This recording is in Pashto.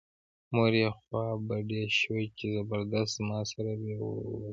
مور یې خوا بډۍ شوه چې زبردست زما سره بې وري وکړه.